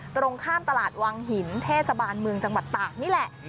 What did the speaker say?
ตรงข้ามตลาดวังหินเทศบาลเมืองจังหวัดตากนี่แหละ